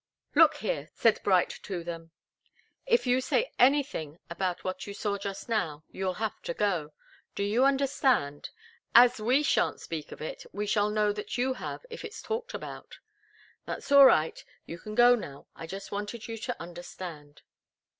"Look here," said Bright to them. "If you say anything about what you saw just now, you'll have to go. Do you understand? As we shan't speak of it, we shall know that you have, if it's talked about. That's all right you can go now. I just wanted you to understand."